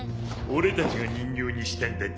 俺たちが人形にしたんだぜ。